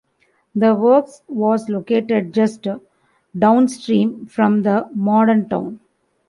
The works was located just downstream from the modern town.